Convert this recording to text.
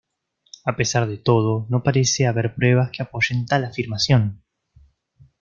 A pesar de todo no parece haber pruebas que apoyen tal afirmación.